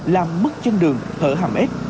làm mất chân đường thở hàm ếch